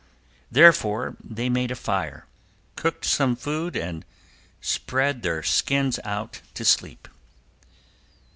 Therefore they made a fire, cooked some food, and spread out their skins to sleep.